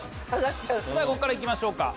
こっからいきましょうか。